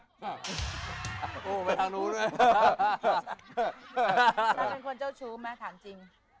สันเป็นคนเจ้าชู้ไหมถามจริง